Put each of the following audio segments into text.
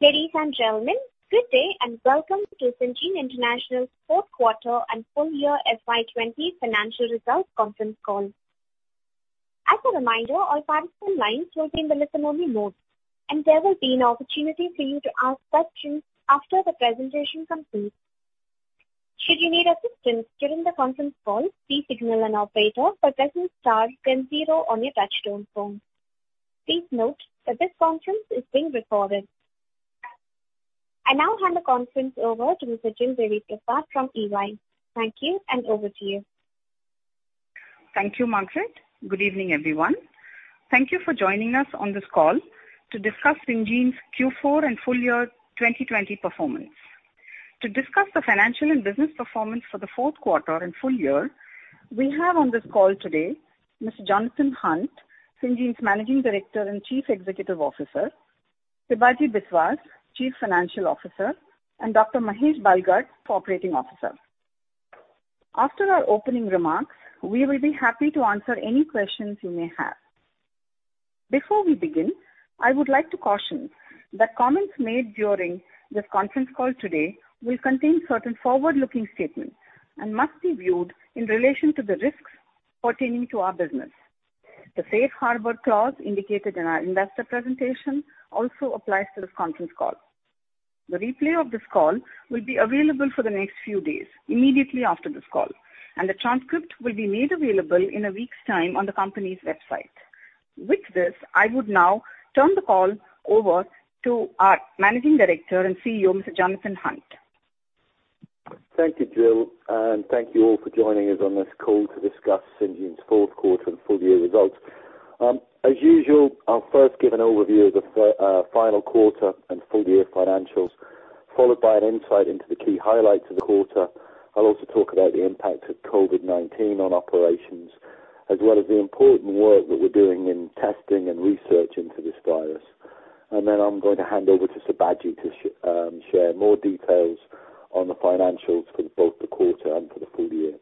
Ladies and gentlemen, good day and welcome to Syngene International's fourth quarter and full year FY20 financial results conference call. As a reminder, all participants' lines will be in listen-only mode, and there will be an opportunity for you to ask questions after the presentation concludes. Should you need assistance during the conference call, please signal an operator by pressing star then zero on your touchtone phone. Please note that this conference is being recorded. I now hand the conference over to Miss Jill Deviprasad from EY. Thank you and over to you. Thank you, Margaret. Good evening, everyone. Thank you for joining us on this call to discuss Syngene's Q4 and full year 2020 performance. To discuss the financial and business performance for the fourth quarter and full year, we have on this call today Mr. Jonathan Hunt, Syngene's Managing Director and Chief Executive Officer, Sibaji Biswas, Chief Financial Officer, and Dr. Mahesh Bhalgat, Operating Officer. After our opening remarks, we will be happy to answer any questions you may have. Before we begin, I would like to caution that comments made during this conference call today will contain certain forward-looking statements and must be viewed in relation to the risks pertaining to our business. The safe harbor clause indicated in our investor presentation also applies to this conference call. The replay of this call will be available for the next few days immediately after this call, and the transcript will be made available in a week's time on the company's website. With this, I would now turn the call over to our Managing Director and CEO, Mr. Jonathan Hunt. Thank you, Jill, and thank you all for joining us on this call to discuss Syngene's fourth quarter and full-year results. As usual, I'll first give an overview of the final quarter and full-year financials, followed by an insight into the key highlights of the quarter. I'll also talk about the impact of COVID-19 on operations, as well as the important work that we're doing in testing and research into this virus. Then I'm going to hand over to Sibaji to share more details on the financials for both the quarter and for the full year.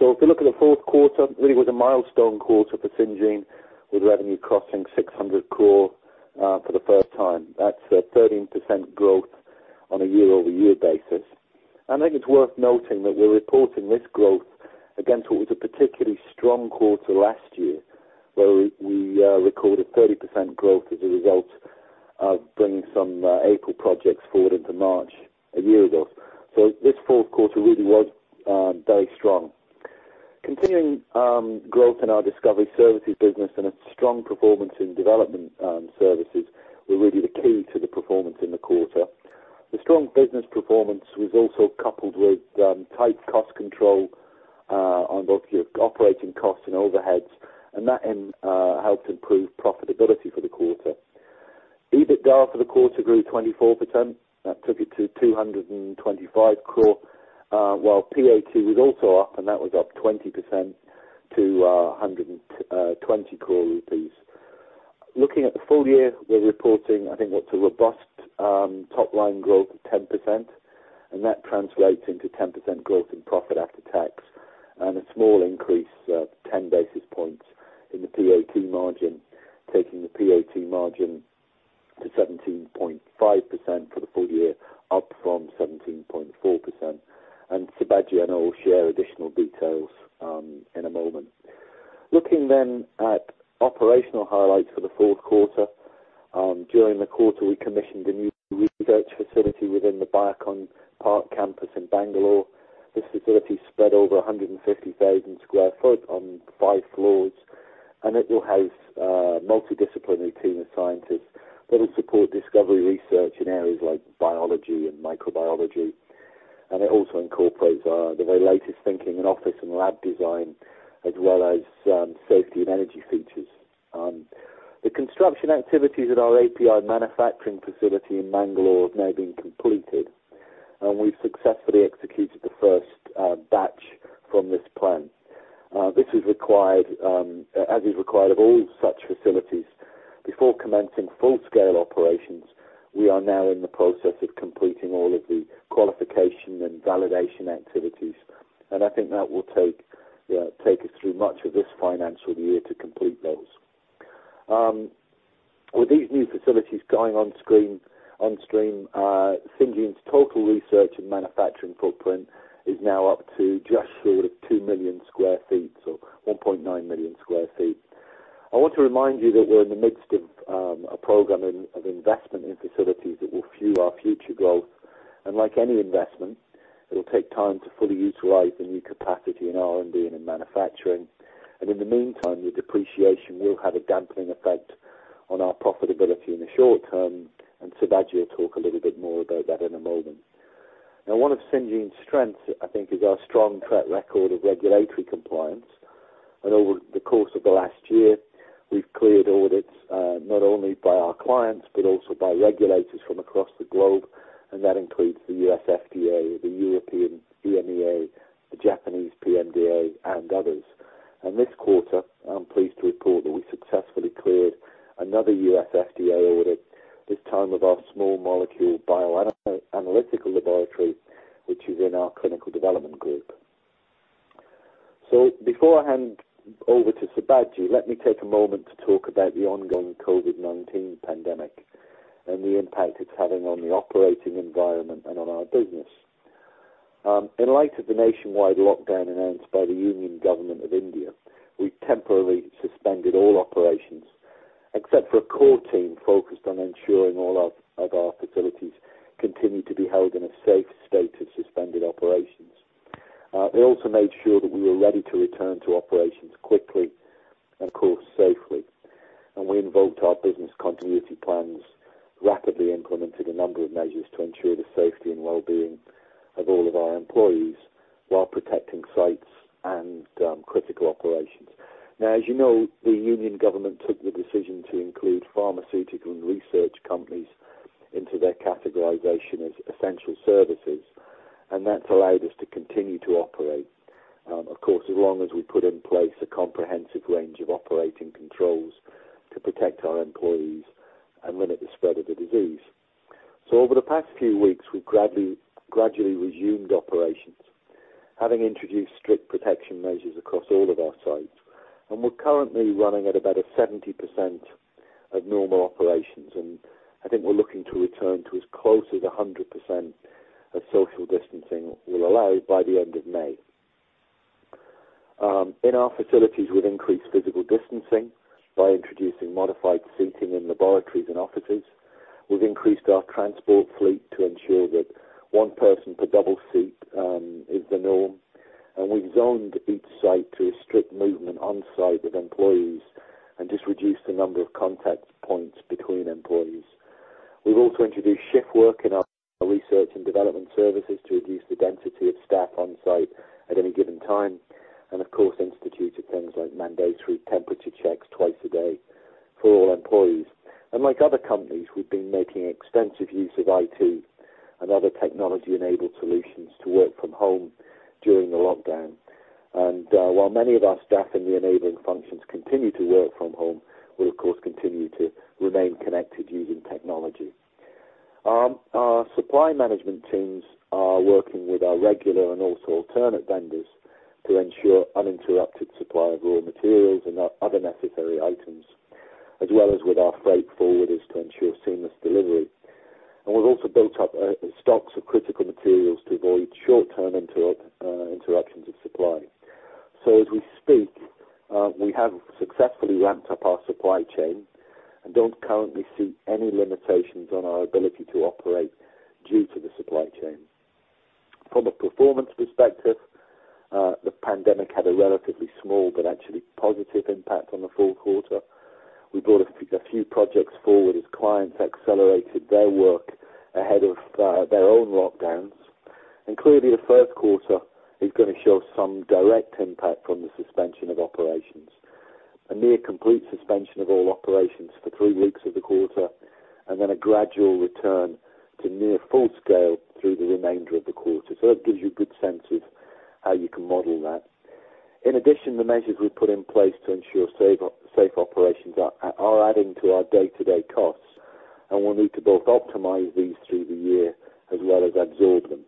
If we look at the fourth quarter, it really was a milestone quarter for Syngene, with revenue crossing 600 crore for the first time. That's a 13% growth on a year-over-year basis. I think it's worth noting that we're reporting this growth against what was a particularly strong quarter last year, where we recorded 30% growth as a result of bringing some April projects forward into March a year ago. This fourth quarter really was very strong. Continuing growth in our discovery services business and a strong performance in development services were really the key to the performance in the quarter. The strong business performance was also coupled with tight cost control on both your operating costs and overheads, and that helped improve profitability for the quarter. EBITDA for the quarter grew 24%. That took it to 225 crore, while PAT was also up, and that was up 20% to 120 crore rupees. Looking at the full year, we're reporting, I think what's a robust top-line growth of 10%. That translates into 10% growth in profit after tax and a small increase of 10 basis points in the PAT margin, taking the PAT margin to 17.5% for the full year, up from 17.4%. Sibaji and I will share additional details in a moment. Looking at operational highlights for the fourth quarter. During the quarter, we commissioned a new research facility within the Biocon Park campus in Bangalore. This facility spread over 150,000 sq ft on five floors. It will house a multidisciplinary team of scientists that will support discovery research in areas like biology and microbiology. It also incorporates the very latest thinking in office and lab design, as well as safety and energy features. The construction activities at our API manufacturing facility in Bangalore have now been completed, and we've successfully executed the first batch from this plant. As is required of all such facilities, before commencing full-scale operations, we are now in the process of completing all of the qualification and validation activities, and I think that will take us through much of this financial year to complete those. With these new facilities going on stream, Syngene's total research and manufacturing footprint is now up to just short of 2 million square feet, so 1.9 million square feet. I want to remind you that we're in the midst of a program of investment in facilities that will fuel our future growth. Like any investment, it'll take time to fully utilize the new capacity in R&D and in manufacturing. In the meantime, the depreciation will have a dampening effect on our profitability in the short term. Sibaji will talk a little bit more about that in a moment. One of Syngene's strengths, I think, is our strong track record of regulatory compliance. Over the course of the last year, we've cleared audits not only by our clients, but also by regulators from across the globe, and that includes the U.S. FDA, the European EMA, the Japanese PMDA, and others. In this quarter, I'm pleased to report that we successfully cleared another U.S. FDA audit, this time of our small molecule bioanalytical laboratory, which is in our clinical development group. Beforehand, over to Sibaji, let me take a moment to talk about the ongoing COVID-19 pandemic and the impact it's having on the operating environment and on our business. In light of the nationwide lockdown announced by the union government of India, we temporarily suspended all operations, except for a core team focused on ensuring all of our facilities continued to be held in a safe state of suspended operations. They also made sure that we were ready to return to operations quickly, and of course, safely. We invoked our business continuity plans, rapidly implemented a number of measures to ensure the safety and wellbeing of all of our employees while protecting sites and critical operations. As you know, the union government took the decision to include pharmaceutical and research companies into their categorization as essential services, and that's allowed us to continue to operate. As long as we put in place a comprehensive range of operating controls to protect our employees and limit the spread of the disease. Over the past few weeks, we've gradually resumed operations, having introduced strict protection measures across all of our sites. We're currently running at about a 70% of normal operations, and I think we're looking to return to as close as 100% as social distancing will allow by the end of May. In our facilities, we've increased physical distancing by introducing modified seating in laboratories and offices. We've increased our transport fleet to ensure that one person per double seat is the norm. We've zoned each site to restrict movement on-site of employees and just reduce the number of contact points between employees. We've also introduced shift work in our research and development services to reduce the density of staff on-site at any given time. Of course, instituted things like mandatory temperature checks twice a day for all employees. Like other companies, we've been making extensive use of IT and other technology-enabled solutions to work from home during the lockdown. While many of our staff in the enabling functions continue to work from home, we'll of course, continue to remain connected using technology. Our supply management teams are working with our regular and also alternate vendors to ensure uninterrupted supply of raw materials and other necessary items, as well as with our freight forwarders to ensure seamless delivery. We've also built up stocks of critical materials to avoid short-term interruptions of supply. As we speak, we have successfully ramped up our supply chain and don't currently see any limitations on our ability to operate due to the supply chain. From a performance perspective, the pandemic had a relatively small but actually positive impact on the fourth quarter. We brought a few projects forward as clients accelerated their work ahead of their own lockdowns. Clearly, the first quarter is going to show some direct impact from the suspension of operations. A near complete suspension of all operations for three weeks of the quarter, and then a gradual return to near full scale through the remainder of the quarter. That gives you a good sense of how you can model that. In addition, the measures we put in place to ensure safe operations are adding to our day-to-day costs, and we'll need to both optimize these through the year as well as absorb them.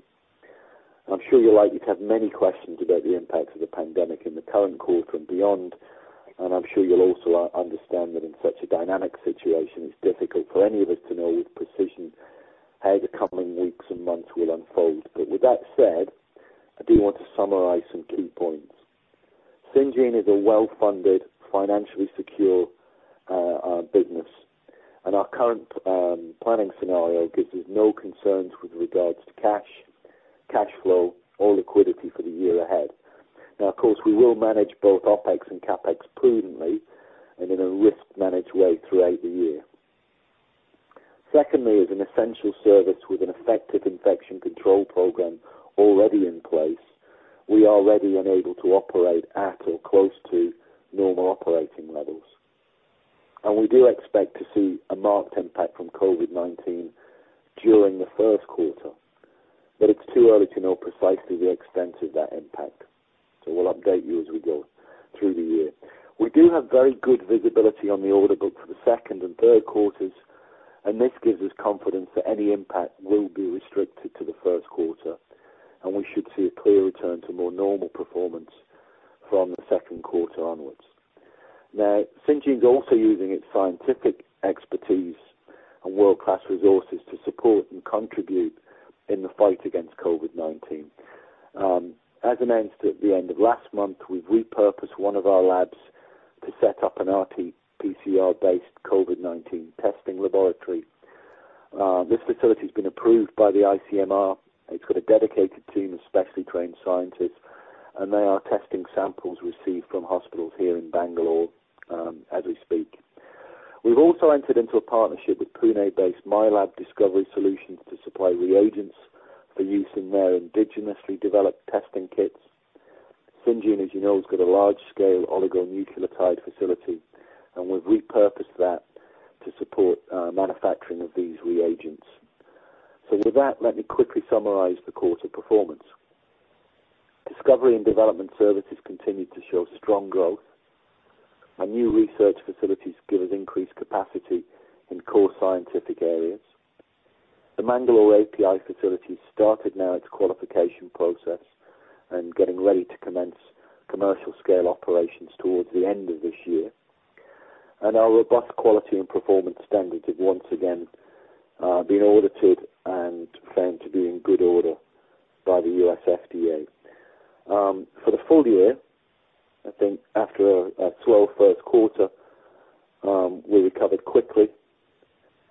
I'm sure you're likely to have many questions about the impacts of the pandemic in the current quarter and beyond, and I'm sure you'll also understand that in such a dynamic situation, it's difficult for any of us to know with precision how the coming weeks and months will unfold. With that said, I do want to summarize some key points. Syngene is a well-funded, financially secure business. Our current planning scenario gives us no concerns with regards to cash flow, or liquidity for the year ahead. Now, of course, we will manage both OpEx and CapEx prudently and in a risk-managed way throughout the year. Secondly, as an essential service with an effective infection control program already in place, we are ready and able to operate at or close to normal operating levels. We do expect to see a marked impact from COVID-19 during the first quarter, but it's too early to know precisely the extent of that impact. We'll update you as we go through the year. We do have very good visibility on the order book for the second and third quarters, this gives us confidence that any impact will be restricted to the first quarter, and we should see a clear return to more normal performance from the second quarter onwards. Syngene is also using its scientific expertise and world-class resources to support and contribute in the fight against COVID-19. As announced at the end of last month, we've repurposed one of our labs to set up an RT PCR-based COVID-19 testing laboratory. This facility has been approved by the ICMR. It's got a dedicated team of specially trained scientists, and they are testing samples received from hospitals here in Bangalore as we speak. We've also entered into a partnership with Pune-based Mylab Discovery Solutions to supply reagents for use in their indigenously developed testing kits. Syngene, as you know, has got a large-scale oligonucleotide facility, and we've repurposed that to support manufacturing of these reagents. With that, let me quickly summarize the quarter performance. Discovery and development services continued to show strong growth. Our new research facilities give us increased capacity in core scientific areas. The Mangalore API facility started now its qualification process and getting ready to commence commercial scale operations towards the end of this year. Our robust quality and performance standards have once again been audited and found to be in good order by the U.S. FDA. For the full year, I think after a slow first quarter, we recovered quickly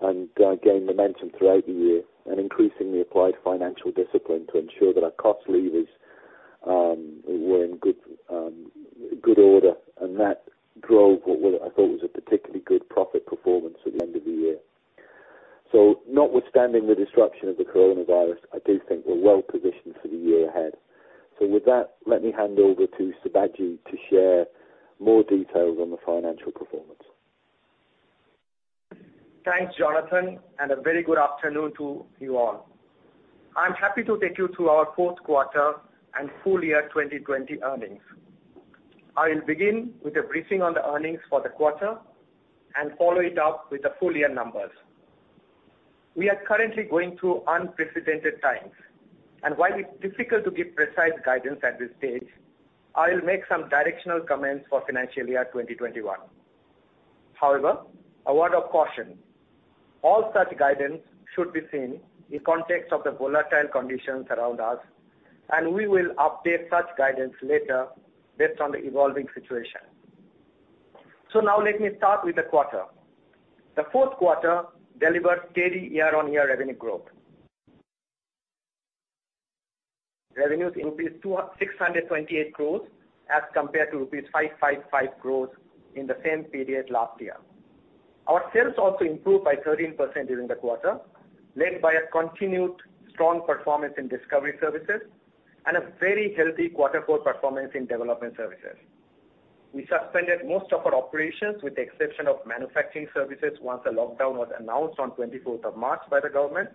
and gained momentum throughout the year and increasingly applied financial discipline to ensure that our cost levers were in good order, and that drove what I thought was a particularly good profit performance at the end of the year. Notwithstanding the disruption of the coronavirus, I do think we're well-positioned for the year ahead. With that, let me hand over to Sibaji to share more details on the financial performance. Thanks, Jonathan, and a very good afternoon to you all. I'm happy to take you through our fourth quarter and full year 2020 earnings. I'll begin with a briefing on the earnings for the quarter and follow it up with the full year numbers. We are currently going through unprecedented times, and while it's difficult to give precise guidance at this stage, I'll make some directional comments for financial year 2021. However, a word of caution. All such guidance should be seen in context of the volatile conditions around us, and we will update such guidance later based on the evolving situation. Now let me start with the quarter. The fourth quarter delivered steady year-on-year revenue growth. Revenues increased to rupees 628 crore as compared to rupees 555 crore in the same period last year. Our sales also improved by 13% during the quarter, led by a continued strong performance in discovery services and a very healthy quarter four performance in development services. We suspended most of our operations with the exception of manufacturing services once the lockdown was announced on 24th of March by the government.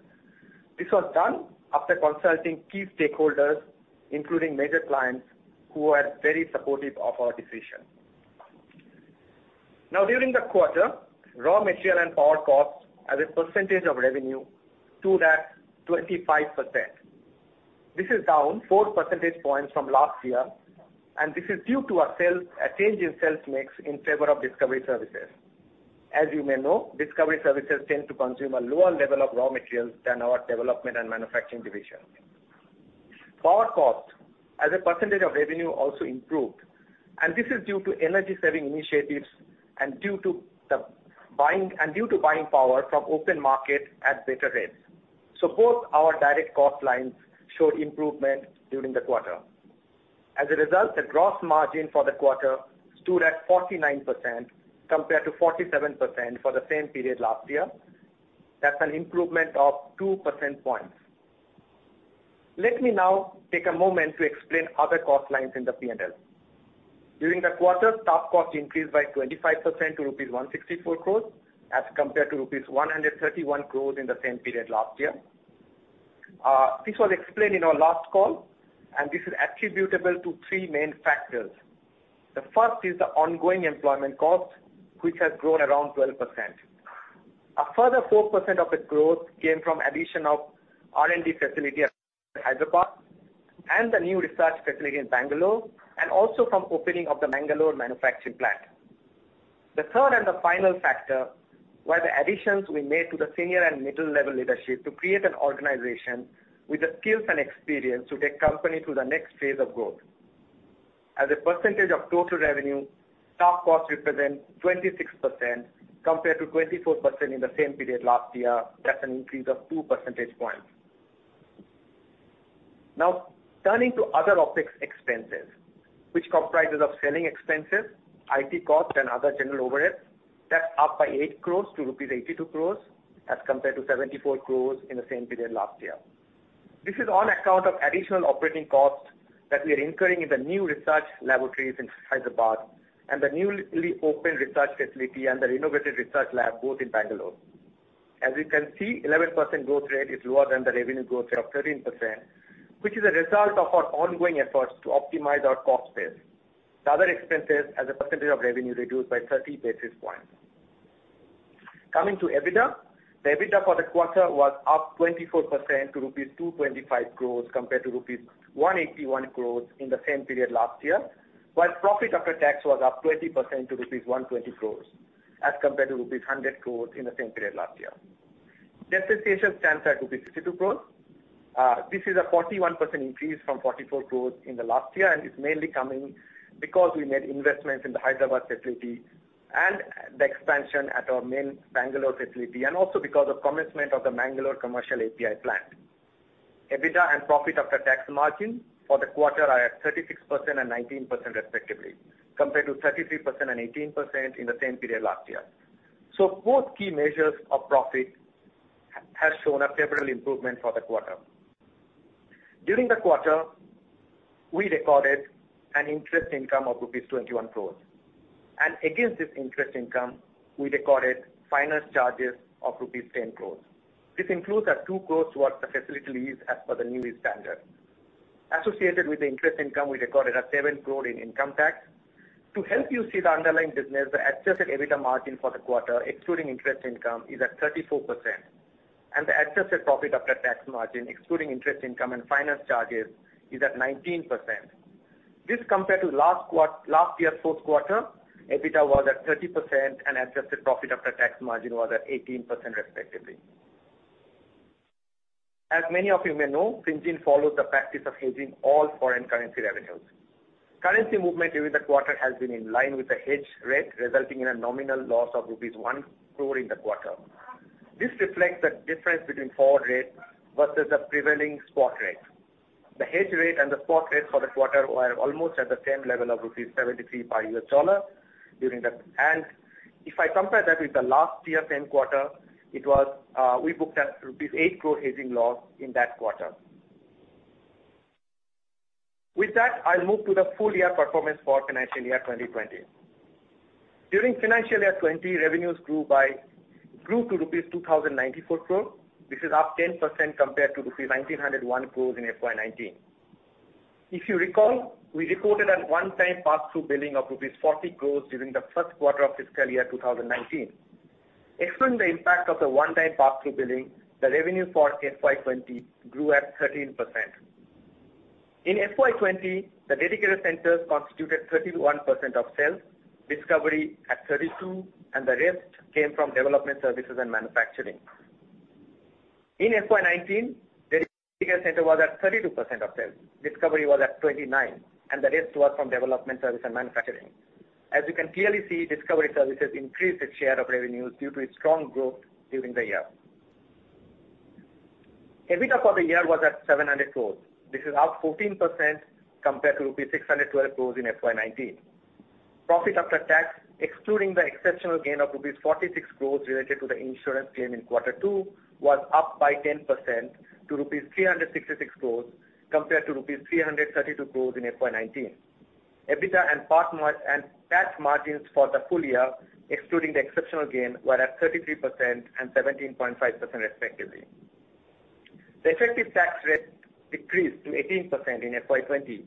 This was done after consulting key stakeholders, including major clients, who were very supportive of our decision. During the quarter, raw material and power costs as a percentage of revenue stood at 25%. This is down four percentage points from last year. This is due to a change in sales mix in favor of discovery services. As you may know, discovery services tend to consume a lower level of raw materials than our development and manufacturing division. Power cost as a percentage of revenue also improved. This is due to energy-saving initiatives and due to buying power from open market at better rates. Both our direct cost lines showed improvement during the quarter. As a result, the gross margin for the quarter stood at 49% compared to 47% for the same period last year. That's an improvement of 2 percentage points. Let me now take a moment to explain other cost lines in the P&L. During the quarter, staff costs increased by 25% to rupees 164 crore as compared to rupees 131 crore in the same period last year. This was explained in our last call. This is attributable to three main factors. The first is the ongoing employment cost, which has grown around 12%. A further 4% of its growth came from addition of R&D facility at Hyderabad and the new research facility in Bangalore, and also from opening of the Bangalore manufacturing plant. The third and the final factor were the additions we made to the senior and middle level leadership to create an organization with the skills and experience to take company to the next phase of growth. As a percentage of total revenue, staff costs represent 26% compared to 24% in the same period last year. That's an increase of 2 percentage points. Turning to other OpEx expenses, which comprises of selling expenses, IT costs, and other general overheads. That's up by 8 crore to rupees 82 crore as compared to 74 crore in the same period last year. This is on account of additional operating costs that we are incurring in the new research laboratories in Hyderabad and the newly opened research facility and the renovated research lab, both in Bangalore. As you can see, 11% growth rate is lower than the revenue growth rate of 13%, which is a result of our ongoing efforts to optimize our cost base. The other expenses as a percentage of revenue reduced by 30 basis points. Coming to EBITDA. The EBITDA for the quarter was up 24% to rupees 225 crore compared to rupees 181 crore in the same period last year. While profit after tax was up 20% to rupees 120 crore as compared to rupees 100 crore in the same period last year. Depreciation stands at rupees 62 crore. This is a 41% increase from 44 crore in the last year, it's mainly coming because we made investments in the Hyderabad facility and the expansion at our main Bangalore facility, also because of commencement of the Mangalore commercial API plant. EBITDA and profit after tax margin for the quarter are at 36% and 19% respectively, compared to 33% and 18% in the same period last year. Both key measures of profit have shown a favorable improvement for the quarter. During the quarter, we recorded an interest income of rupees 21 crore. Against this interest income, we recorded finance charges of rupees 10 crore. This includes our 2 crore towards the facility lease as per the new standard. Associated with the interest income, we recorded a 7 crore in income tax. To help you see the underlying business, the adjusted EBITDA margin for the quarter, excluding interest income, is at 34%. The adjusted profit after tax margin, excluding interest income and finance charges, is at 19%. This compared to last year's fourth quarter, EBITDA was at 30% and adjusted profit after tax margin was at 18%, respectively. As many of you may know, Syngene follows the practice of hedging all foreign currency revenues. Currency movement during the quarter has been in line with the hedge rate, resulting in a nominal loss of rupees 1 crore in the quarter. This reflects the difference between forward rate versus the prevailing spot rate. The hedge rate and the spot rate for the quarter were almost at the same level of rupees 73 per US dollar during that. If I compare that with the last year same quarter, we booked at rupees 8 crore hedging loss in that quarter. With that, I'll move to the full-year performance for financial year 2020. During FY 2020, revenues grew to rupees 2,094 crore. This is up 10% compared to rupees 1,901 crore in FY 2019. If you recall, we reported a one-time pass-through billing of rupees 40 crore during the first quarter of FY 2019. Excluding the impact of the one-time pass-through billing, the revenue for FY 2020 grew at 13%. In FY 2020, the dedicated centers constituted 31% of sales, discovery at 32%, and the rest came from development services and manufacturing. In FY 2019, dedicated center was at 32% of sales, discovery was at 29%, and the rest was from development services and manufacturing. As you can clearly see, discovery services increased its share of revenues due to its strong growth during the year. EBITDA for the year was at 700 crore. This is up 14% compared to rupees 612 crore in FY 2019. Profit after tax, excluding the exceptional gain of rupees 46 crore related to the insurance claim in quarter two, was up by 10% to rupees 366 crore, compared to rupees 332 crore in FY 2019. EBITDA and PAT margins for the full year, excluding the exceptional gain, were at 33% and 17.5%, respectively. The effective tax rate decreased to 18% in FY 2020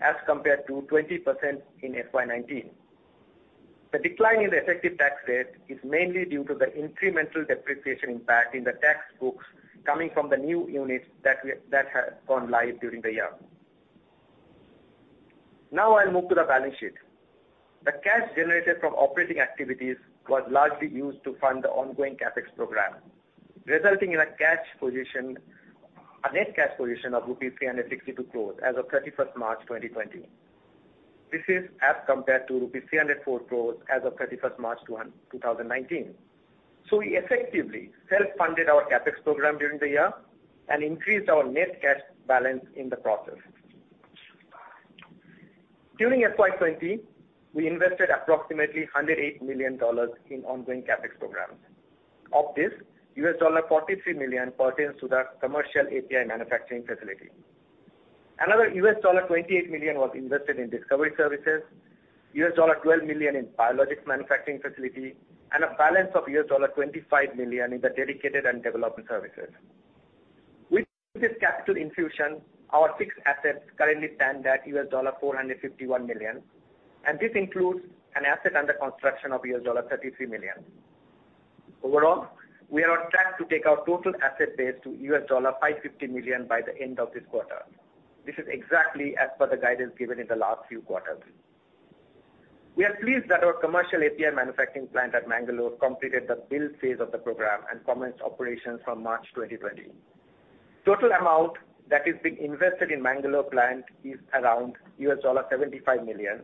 as compared to 20% in FY 2019. The decline in the effective tax rate is mainly due to the incremental depreciation impact in the tax books coming from the new units that have gone live during the year. I'll move to the balance sheet. The cash generated from operating activities was largely used to fund the ongoing CapEx program, resulting in a net cash position of rupees 362 crore as of 31st March 2020. This is as compared to rupees 304 crore as of 31st March 2019. We effectively self-funded our CapEx program during the year and increased our net cash balance in the process. During FY 2020, we invested approximately $108 million in ongoing CapEx programs. Of this, $43 million pertains to the commercial API manufacturing facility. Another $28 million was invested in discovery services, $12 million in biologics manufacturing facility, and a balance of $25 million in the dedicated and development services. With this capital infusion, our fixed assets currently stand at $451 million, and this includes an asset under construction of $33 million. Overall, we are on track to take our total asset base to $550 million by the end of this quarter. This is exactly as per the guidance given in the last few quarters. We are pleased that our commercial API manufacturing plant at Mangalore completed the build phase of the program and commenced operations from March 2020. Total amount that is being invested in Mangalore plant is around $75 million,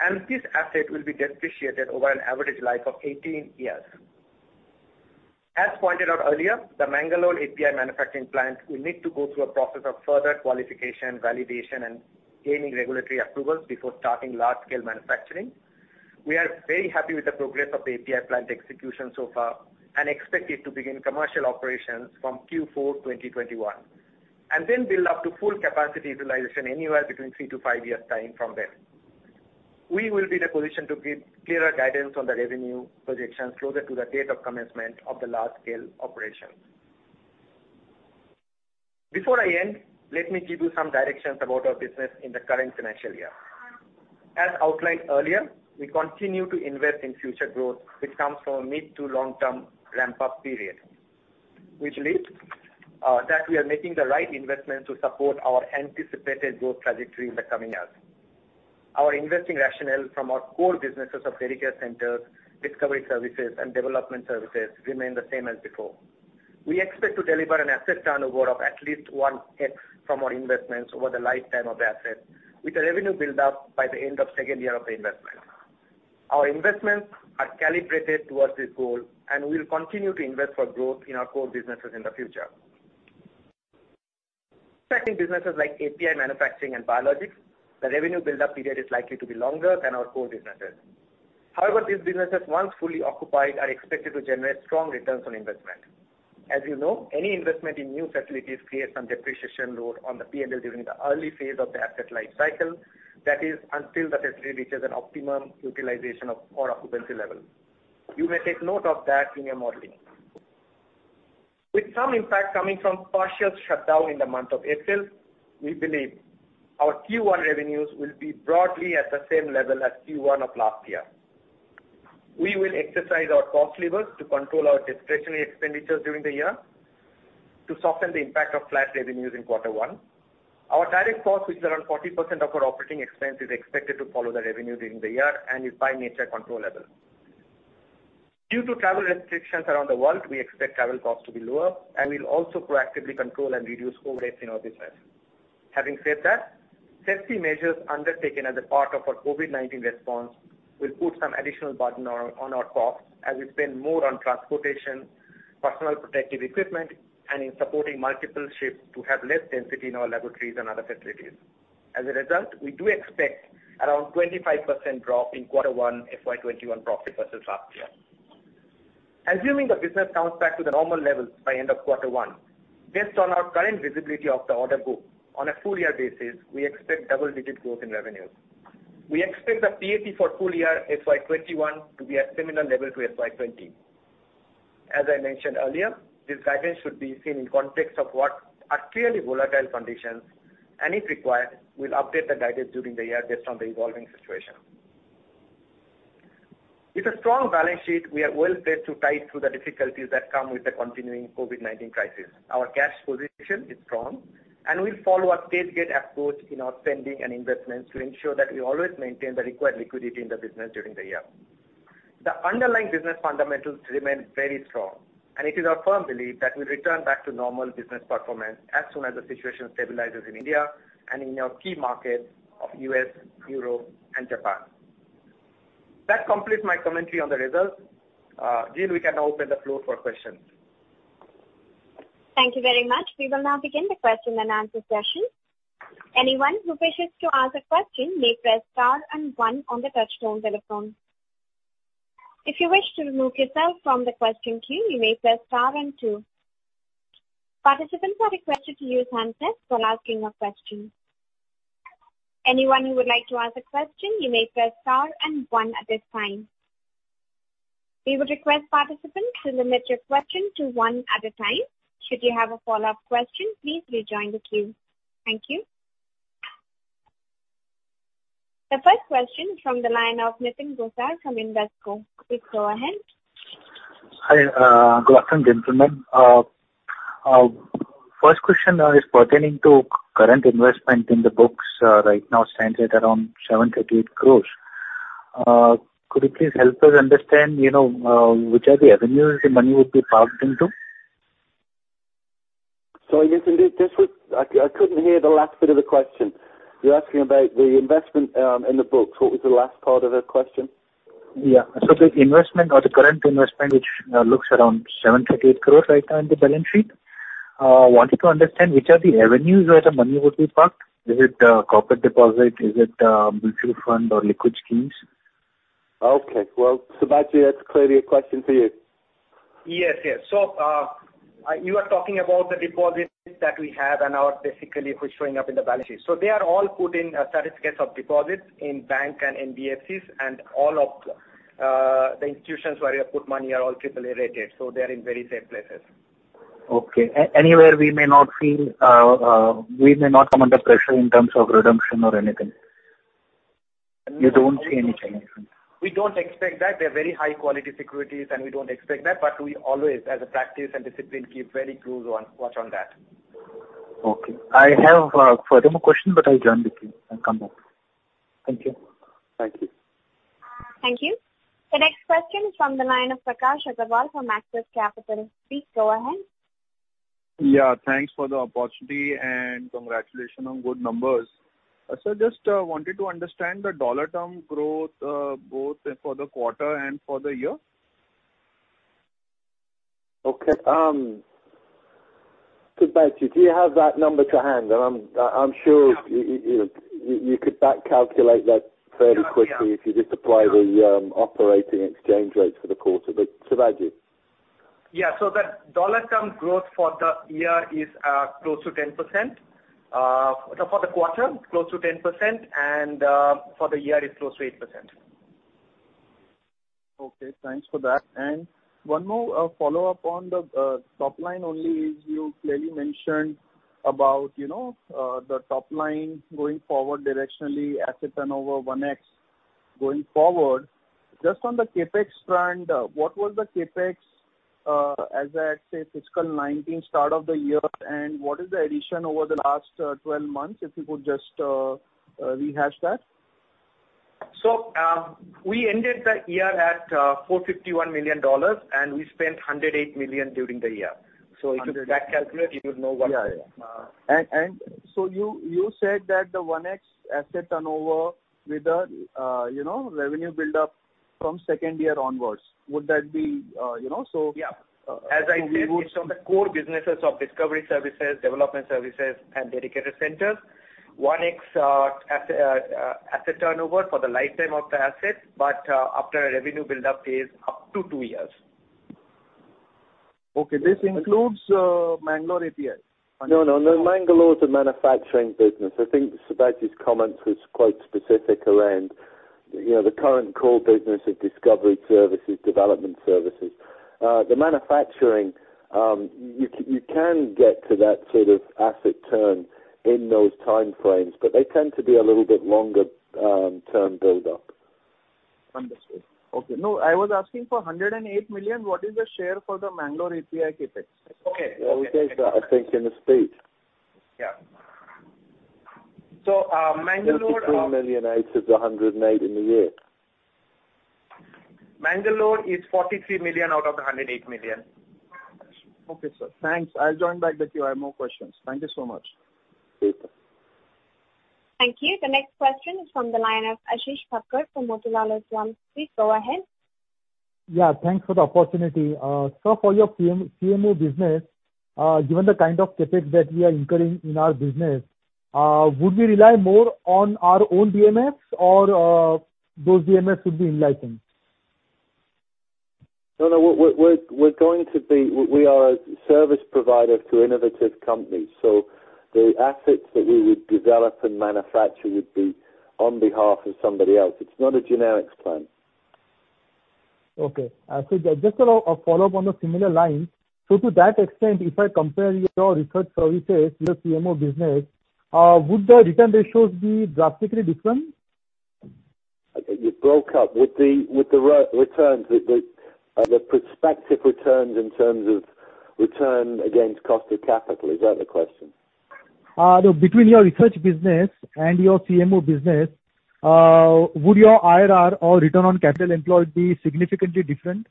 and this asset will be depreciated over an average life of 18 years. As pointed out earlier, the Mangalore API manufacturing plant will need to go through a process of further qualification, validation, and gaining regulatory approvals before starting large-scale manufacturing. We are very happy with the progress of the API plant execution so far and expect it to begin commercial operations from Q4 2021, and then build up to full capacity utilization anywhere between three to five years' time from there. We will be in a position to give clearer guidance on the revenue projections closer to the date of commencement of the large-scale operations. Before I end, let me give you some directions about our business in the current financial year. As outlined earlier, we continue to invest in future growth, which comes from a mid to long-term ramp-up period, which leads that we are making the right investment to support our anticipated growth trajectory in the coming years. Our investing rationale from our core businesses of dedicated centers, discovery services, and development services remain the same as before. We expect to deliver an asset turnover of at least 1x from our investments over the lifetime of the asset, with the revenue build-up by the end of second year of the investment. Our investments are calibrated towards this goal, and we'll continue to invest for growth in our core businesses in the future. Growing businesses like API manufacturing and biologics, the revenue build-up period is likely to be longer than our core businesses. However, these businesses, once fully occupied, are expected to generate strong returns on investment. As you know, any investment in new facilities creates some depreciation load on the P&L during the early phase of the asset life cycle, that is, until the facility reaches an optimum utilization or occupancy level. You may take note of that in your modeling. With some impact coming from partial shutdown in the month of April, we believe our Q1 revenues will be broadly at the same level as Q1 of last year. We will exercise our cost levers to control our discretionary expenditures during the year to soften the impact of flat revenues in quarter one. Our direct costs, which are around 40% of our operating expense, is expected to follow the revenue during the year and is by nature, controllable. Due to travel restrictions around the world, we expect travel costs to be lower, and we'll also proactively control and reduce overheads in our business. Having said that, safety measures undertaken as a part of our COVID-19 response will put some additional burden on our costs as we spend more on transportation, personal protective equipment, and in supporting multiple shifts to have less density in our laboratories and other facilities. As a result, we do expect around 25% drop in quarter one FY 2021 profit versus last year. Assuming the business comes back to the normal levels by end of quarter one, based on our current visibility of the order book on a full year basis, we expect double-digit growth in revenues. We expect the PAT for full year FY 2021 to be at similar level to FY 2020. As I mentioned earlier, this guidance should be seen in context of what are clearly volatile conditions, and if required, we'll update the guidance during the year based on the evolving situation. With a strong balance sheet, we are well-placed to tide through the difficulties that come with the continuing COVID-19 crisis. Our cash position is strong, and we'll follow a gated approach in our spending and investments to ensure that we always maintain the required liquidity in the business during the year. The underlying business fundamentals remain very strong, and it is our firm belief that we'll return back to normal business performance as soon as the situation stabilizes in India and in our key markets of U.S., Europe, and Japan. That completes my commentary on the results. Jill, we can now open the floor for questions. Thank you very much. We will now begin the question and answer session. Anyone who wishes to ask a question may press star and one on the touchtone telephone. If you wish to remove yourself from the question queue, you may press star and two. Participants are requested to use handset while asking a question. Anyone who would like to ask a question, you may press star and one at this time. We would request participants to limit your question to one at a time. Should you have a follow-up question, please rejoin the queue. Thank you. The first question from the line of Nitin Gosar from Invesco. Please go ahead. Hi. Good afternoon, gentlemen. First question is pertaining to current investment in the books right now stands at around 738 crore. Could you please help us understand which are the avenues the money would be parked into? Sorry, Nitin, I couldn't hear the last bit of the question. You're asking about the investment in the books. What was the last part of that question? Yeah. The investment or the current investment, which looks around 738 crore right now in the balance sheet, I wanted to understand which are the avenues where the money would be parked. Is it corporate deposit? Is it mutual fund or liquid schemes? Okay. Well, Sibaji, that's clearly a question for you. Yes. You are talking about the deposits that we have and are basically showing up in the balance sheet. They are all put in certificates of deposits in bank and NBFCs, and all of the institutions where we have put money are all AAA rated, so they're in very safe places. Okay. Anywhere we may not come under pressure in terms of redemption or anything. You don't see anything? We don't expect that. They're very high-quality securities, and we don't expect that. We always, as a practice and discipline, keep very close watch on that. Okay. I have furthermore questions, but I'll join the queue and come back. Thank you. Thank you. Thank you. The next question is from the line of Prakash Agarwal from Axis Capital. Please go ahead. Yeah, thanks for the opportunity and congratulations on good numbers. Sir, just wanted to understand the dollar term growth, both for the quarter and for the year. Okay. Sibaji, do you have that number to hand? I'm sure you could back calculate that fairly quickly if you just apply the operating exchange rates for the quarter. Sibaji. Yeah. The dollar term growth for the quarter, close to 10%, and for the year is close to 8%. Okay. Thanks for that. One more follow-up on the top line only is you clearly mentioned about the top line going forward directionally, asset turnover, 1x going forward. Just on the CapEx front, what was the CapEx as at, say, FY 2019 start of the year, and what is the addition over the last 12 months, if you could just rehash that? We ended the year at $451 million, and we spent $108 million during the year. If you back calculate, you would know. Yeah. You said that the 1x asset turnover with the revenue build-up from second year onwards. Would that be? Yeah. As I said, it's on the core businesses of discovery services, development services, and dedicated centers. 1x asset turnover for the lifetime of the asset, but after a revenue build-up is up to two years. Okay. This includes Mangalore API? Mangalore is a manufacturing business. I think Sibaji's comment was quite specific around. The current core business of discovery services, development services. The manufacturing, you can get to that sort of asset turn in those time frames, but they tend to be a little bit longer term buildup. Understood. Okay. No, I was asking for $108 million. What is the share for the Mangalore API CapEx? Okay. Well, we gave that, I think, in the speech. Yeah. Mangalore. 33 million out of the $108 in the year. Mangalore is $43 million out of the $108 million. Okay, sir. Thanks. I'll join back with you. I have more questions. Thank you so much. Okay. Thank you. The next question is from the line of Ashish Thavkar from Motilal Oswal. Please go ahead. Yeah, thanks for the opportunity. Sir, for your CMO business, given the kind of CapEx that we are incurring in our business, would we rely more on our own BMS or those BMS would be in-licensed? We are a service provider to innovative companies, so the assets that we would develop and manufacture would be on behalf of somebody else. It's not a generics plant. Okay. Just a follow-up on a similar line. To that extent, if I compare your research services to your CMO business, would the return ratios be drastically different? You broke up. With the prospective returns in terms of return against cost of capital. Is that the question? No. Between your research business and your CMO business, would your IRR or return on capital employed be significantly different?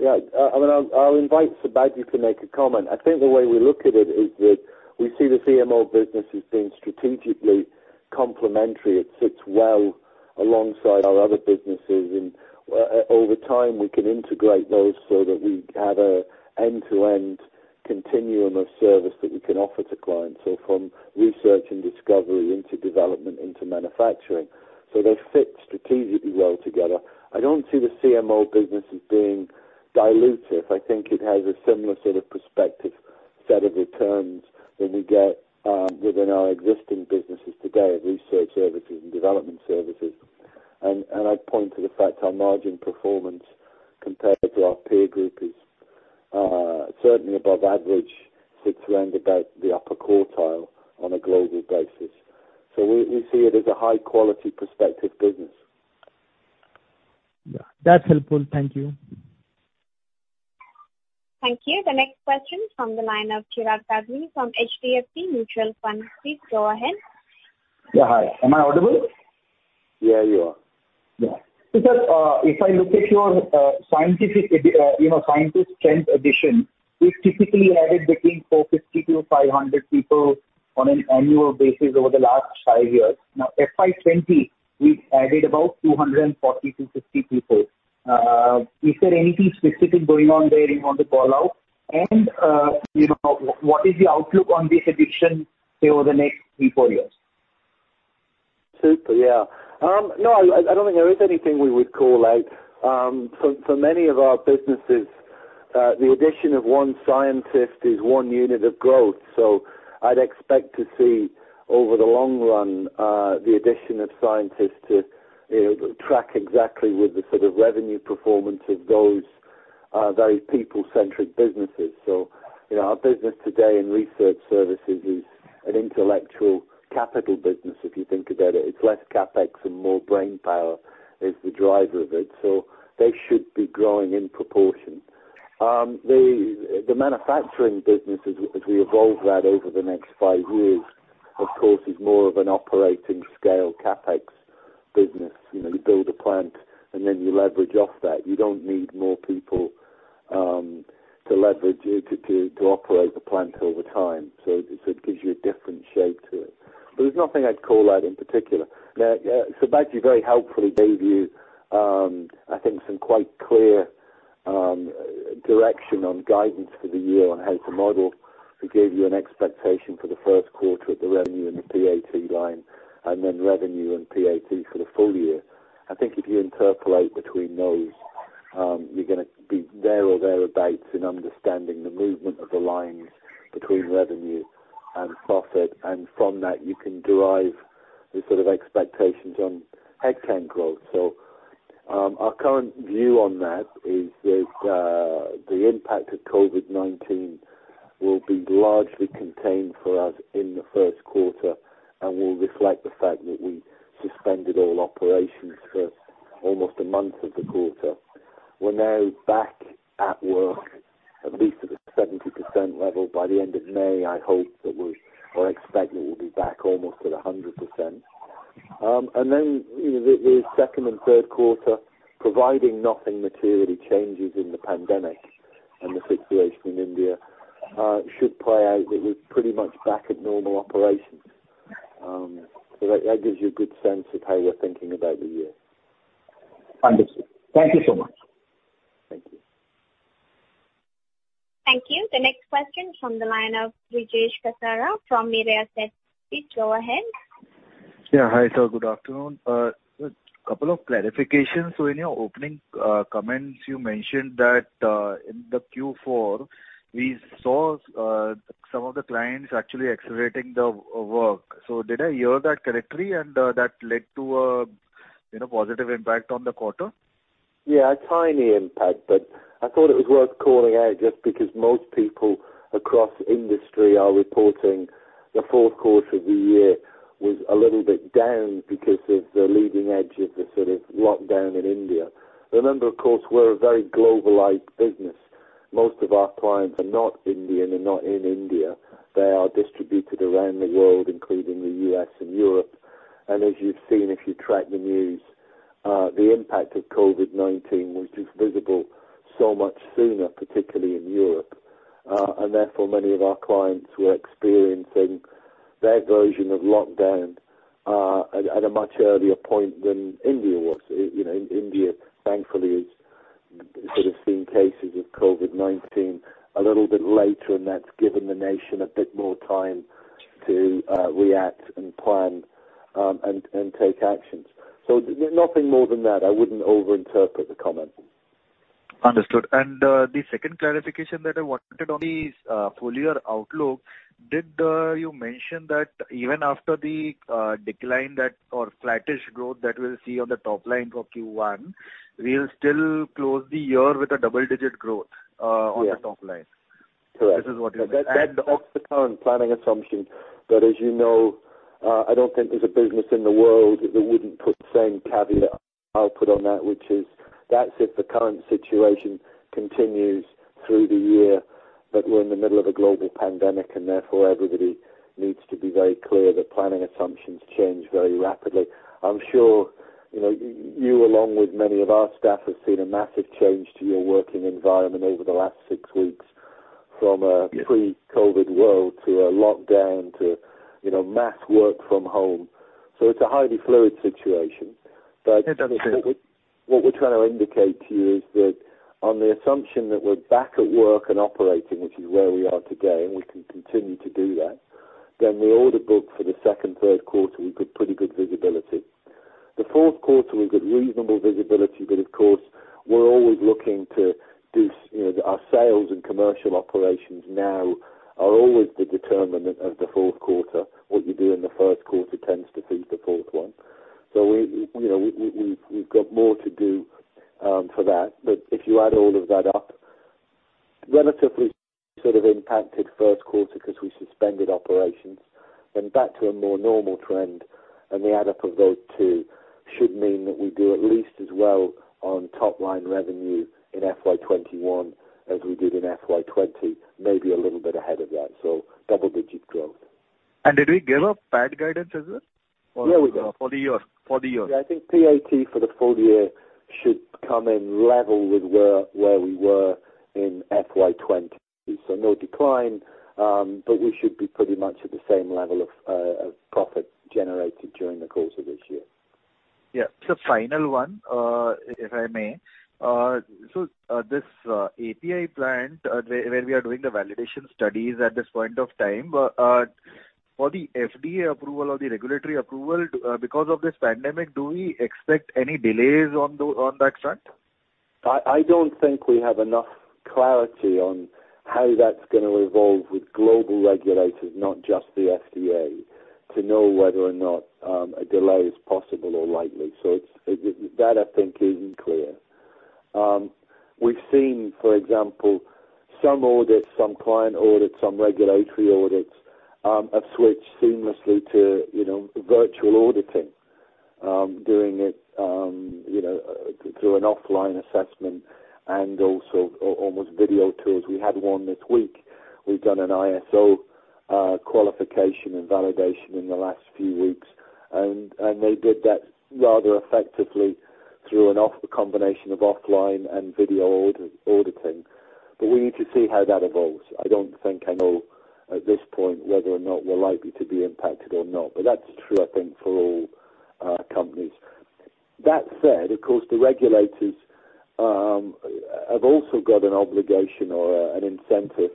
I'll invite Sibaji to make a comment. I think the way we look at it is that we see the CMO business as being strategically complementary. It sits well alongside our other businesses, and over time, we can integrate those so that we have an end-to-end continuum of service that we can offer to clients. From research and discovery into development into manufacturing. They fit strategically well together. I don't see the CMO business as being dilutive. I think it has a similar sort of prospective set of returns that we get within our existing businesses today, research services and development services. I'd point to the fact our margin performance compared to our peer group is certainly above average, sits around about the upper quartile on a global basis. We see it as a high-quality prospective business. Yeah. That's helpful. Thank you. Thank you. The next question is from the line of Chirag Dagli from HDFC Mutual Fund. Please go ahead. Yeah. Hi. Am I audible? Yeah, you are. Yeah. If I look at your scientist strength addition, we've typically added between 450-500 people on an annual basis over the last five years. FY 2020, we've added about 240-250 people. Is there anything specific going on there you want to call out? What is the outlook on this addition say over the next three, four years? Super. Yeah. I don't think there is anything we would call out. For many of our businesses, the addition of one scientist is one unit of growth. I'd expect to see over the long run, the addition of scientists to track exactly with the sort of revenue performance of those very people-centric businesses. Our business today in research services is an intellectual capital business, if you think about it. It's less CapEx and more brainpower is the driver of it. They should be growing in proportion. The manufacturing business, as we evolve that over the next five years, of course, is more of an operating scale CapEx business. You build a plant and then you leverage off that. You don't need more people, to leverage, to operate the plant over time. It gives you a different shape to it. There's nothing I'd call out in particular. Now, Sibaji very helpfully gave you, I think some quite clear direction on guidance for the year on how to model. He gave you an expectation for the first quarter of the revenue and the PAT line, and then revenue and PAT for the full year. I think if you interpolate between those, you're going to be there or thereabouts in understanding the movement of the lines between revenue and profit. From that, you can derive the sort of expectations on head count growth. Our current view on that is that the impact of COVID-19 will be largely contained for us in the first quarter and will reflect the fact that we suspended all operations for almost a month of the quarter. We're now back at work at least at a 70% level. By the end of May, I hope that we're, or expect that we'll be back almost at 100%. Then the second and third quarter, providing nothing materially changes in the pandemic and the situation in India, should play out that we're pretty much back at normal operations. That gives you a good sense of how we're thinking about the year. Understood. Thank you so much. Thank you. Thank you. The next question is from the line of Vrijesh Kasera from Mirae Asset. Please go ahead. Yeah. Hi, sir. Good afternoon. A couple of clarifications. In your opening comments you mentioned that in the Q4 we saw some of the clients actually accelerating the work. Did I hear that correctly, and that led to a positive impact on the quarter? Yeah, a tiny impact, but I thought it was worth calling out just because most people across industry are reporting the fourth quarter of the year was a little bit down because of the leading edge of the sort of lockdown in India. Remember, of course, we're a very globalized business. Most of our clients are not Indian and not in India. They are distributed around the world, including the U.S. and Europe. As you've seen, if you track the news, the impact of COVID-19, which is visible so much sooner, particularly in Europe. Therefore many of our clients were experiencing their version of lockdown at a much earlier point than India was. India, thankfully, has sort of seen cases of COVID-19 a little bit later, and that's given the nation a bit more time to react and plan, and take actions. Nothing more than that. I wouldn't over-interpret the comment. Understood. The second clarification that I wanted on the full-year outlook, did you mention that even after the decline or flattish growth that we'll see on the top line for Q1, we'll still close the year with a double-digit growth? Yes on the top line? Correct. This is what you're saying. That's the current planning assumption. As you know, I don't think there's a business in the world that wouldn't put the same caveat I'll put on that, which is that's if the current situation continues through the year. We're in the middle of a global pandemic, and therefore everybody needs to be very clear that planning assumptions change very rapidly. I'm sure you, along with many of our staff, have seen a massive change to your working environment over the last six weeks from a pre-COVID world to a lockdown, to mass work from home. It's a highly fluid situation. It understood. What we're trying to indicate to you is that on the assumption that we're back at work and operating, which is where we are today, and we can continue to do that, then the order book for the second, third quarter, we've got pretty good visibility. The fourth quarter, we've got reasonable visibility, but of course, we're always looking to do our sales and commercial operations now are always the determinant of the fourth quarter. What you do in the first quarter tends to feed the fourth one. We've got more to do for that. If you add all of that up, relatively sort of impacted first quarter because we suspended operations, then back to a more normal trend, the add up of those two should mean that we do at least as well on top line revenue in FY 2021 as we did in FY 2020, maybe a little bit ahead of that. Double-digit growth. Did we give a PAT guidance as well? Yeah, we did. For the year. Yeah. I think PAT for the full year should come in level with where we were in FY 2020. No decline, but we should be pretty much at the same level of profit generated during the course of this year. Yeah. Final one, if I may. This API plant, where we are doing the validation studies at this point of time, for the FDA approval or the regulatory approval because of this pandemic, do we expect any delays on that front? I don't think we have enough clarity on how that's going to evolve with global regulators, not just the FDA, to know whether or not a delay is possible or likely. That I think is unclear. We've seen, for example, some audits, some client audits, some regulatory audits, have switched seamlessly to virtual auditing, doing it through an offline assessment and also almost video tools. We had one this week. We've done an ISO qualification and validation in the last few weeks, and they did that rather effectively through a combination of offline and video auditing. We need to see how that evolves. I don't think I know at this point whether or not we're likely to be impacted or not, but that's true I think for all companies. That said, of course, the regulators have also got an obligation or an incentive.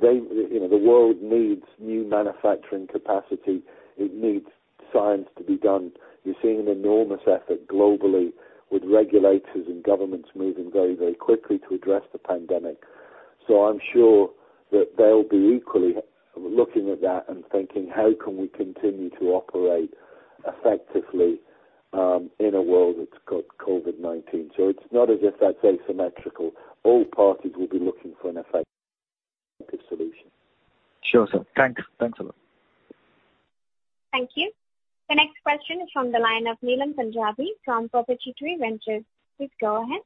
The world needs new manufacturing capacity. It needs science to be done. You're seeing an enormous effort globally with regulators and governments moving very, very quickly to address the pandemic. I'm sure that they'll be equally looking at that and thinking, "How can we continue to operate effectively in a world that's got COVID-19?" It's not as if that's asymmetrical. All parties will be looking for an effective solution. Sure, sir. Thanks a lot. Thank you. The next question is from the line of Neelam Punjabi from Perpetuity Ventures. Please go ahead.